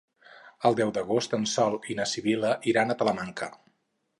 El deu d'agost en Sol i na Sibil·la iran a Talamanca.